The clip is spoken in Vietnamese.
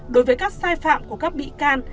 đối với các sai phạm của các bị can